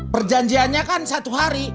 perjanjiannya kan satu hari